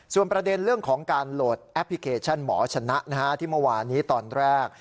ส่วนประเด็นเรื่องของการโหลดแอปพลิเคชันหมอชนะที่เมื่อวานนี้ตอนแรก